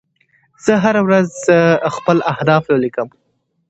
زه هره ورځ خپل اهداف ولیکم.